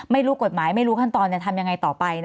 ไม่รู้กฎหมายไม่รู้ขั้นตอนจะทำยังไงต่อไป